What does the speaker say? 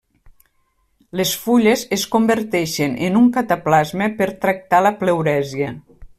Les fulles es converteixen en un cataplasma per tractar la pleuresia.